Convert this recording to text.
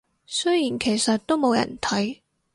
雖然其實都冇人睇